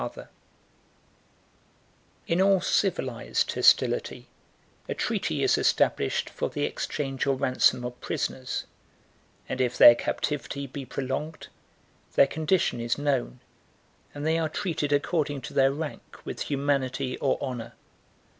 ] In all civilized hostility, a treaty is established for the exchange or ransom of prisoners; and if their captivity be prolonged, their condition is known, and they are treated according to their rank with humanity or honor.